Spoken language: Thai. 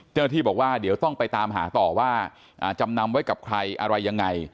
ที่บอกว่าเดี๋ยวต้องไปตามหาต่อว่าจำนำไว้กับใครอะไรยังไง